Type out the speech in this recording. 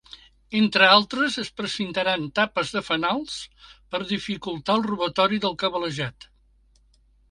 Entre altres es precintaran tapes de fanals per dificultar el robatori del cablejat.